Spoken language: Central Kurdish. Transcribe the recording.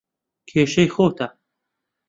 کێشەی خۆتە.